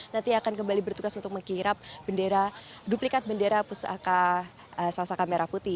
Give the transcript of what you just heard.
nanti akan kembali bertugas untuk mengkirap duplikat bendera pusaka sasaka merah putih